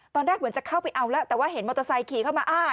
ตอนแรกเหมือนจะเข้าไปเอาแล้วแต่ว่าเห็นมอเตอร์ไซค์ขี่เข้ามาอ้า